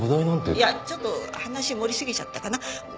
いやちょっと話盛りすぎちゃったかな。